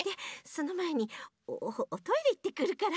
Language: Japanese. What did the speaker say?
そのまえにおトイレいってくるから。